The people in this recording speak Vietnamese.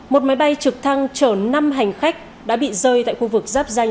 một máy bay trực thăng chở năm hành khách đã bị rơi tại khu vực giáp danh